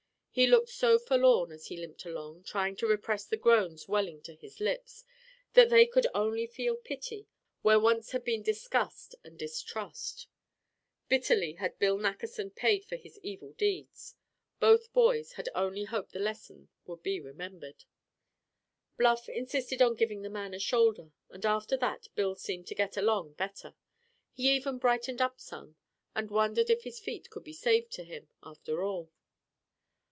He looked so forlorn as he limped along, trying to repress the groans welling to his lips, that they could only feel pity where once had been disgust and distrust. Bitterly had Bill Nackerson paid for his evil deeds. Both boys only hoped the lesson would be remembered. Bluff insisted on giving the man a shoulder, and after that Bill seemed to get along better. He even brightened up some, and wondered if his feet could be saved to him, after all.